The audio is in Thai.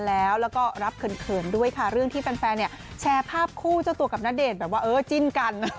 แล้วก็รับเขินด้วยค่ะเรื่องที่แฟนเนี่ยแชร์ภาพคู่เจ้าตัวกับณเดชน์แบบว่าเออจิ้นกัน